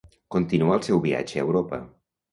Continuà el seu viatge a Europa.